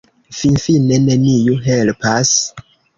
Finfine neniu helpas.